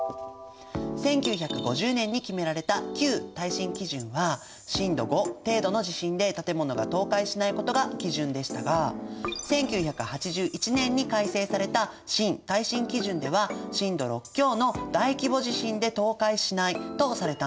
１９５０年に決められた旧耐震基準は震度５程度の地震で建物が倒壊しないことが基準でしたが１９８１年に改正された新耐震基準では震度６強の大規模地震で倒壊しないとされたんです。